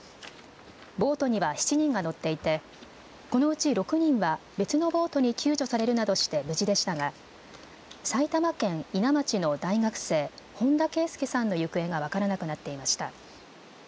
ボートには７人が乗っていてこのうち６人は別のボートに救助されるなどして無事でしたが埼玉県伊奈町の大学生、本田啓祐さんの行方が分からなくなっていました。